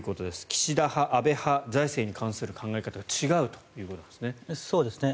岸田派、安倍派財政に関する考え方が違うということですね。